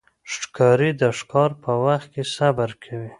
ښکاري د ښکار په وخت کې صبر کوي.